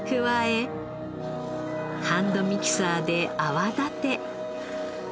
ハンドミキサーで泡立て。